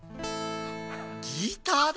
ギターだ。